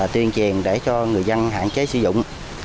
tuyên truyền để cho người dân hạn chế sử dụng